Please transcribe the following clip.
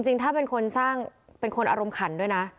ถ้าเป็นคนสร้างเป็นคนอารมณ์ขันด้วยนะ